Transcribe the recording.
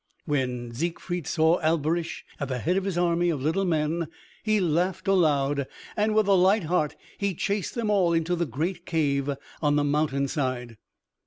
When Siegfried saw Alberich at the head of his army of little men he laughed aloud, and with a light heart he chased them all into the great cave on the mountain side.